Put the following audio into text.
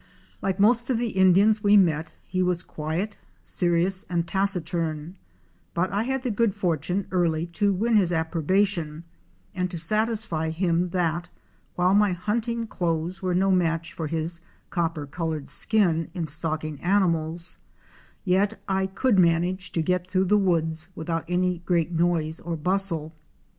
Like most of the Indians we met, he was quiet, serious and taciturn, but I had the good fortune early to win his approbation and to satisfy him that, while my hunting clothes were no match for his copper colored skin in stalking animals, yet I could manage to get through the woods without any great noise or bustle.